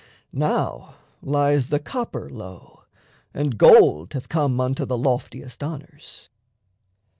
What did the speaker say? Now lies the copper low, and gold hath come Unto the loftiest honours.